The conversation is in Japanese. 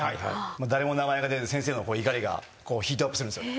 誰も出ず先生の怒りがヒートアップするんですよ。